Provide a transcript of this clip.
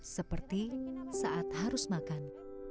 seperti saat harus makan